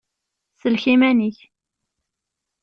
Sellek iman-ik!